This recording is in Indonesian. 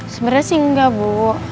sebenernya sih enggak bu